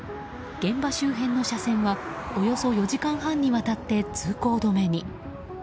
現場周辺の車線はおよそ４時間半にわたって通行止めに。